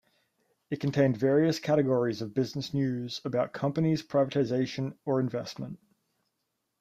It contained various categories of business news, about companies, privatization or investment.